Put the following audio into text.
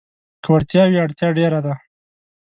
که وړتيا وي، اړتيا ډېره ده.